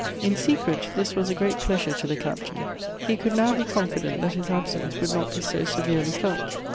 In secret this was a great pleasure to the Captain. He could now be confident that his absence would not be so severely felt.